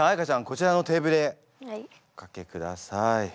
こちらのテーブルへおかけください。